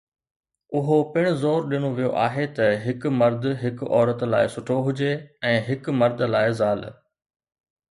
اهو پڻ زور ڏنو ويو آهي ته هڪ مرد هڪ عورت لاء سٺو هجي ۽ هڪ مرد لاء زال.